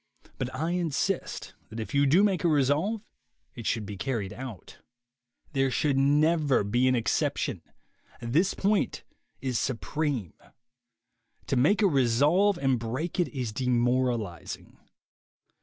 But I insist that if you do make a resolve it should be carried out. There should be never an excep tion. This point is supreme. To make a resolve and break it is demoralizing.